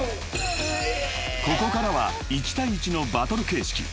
［ここからは１対１のバトル形式］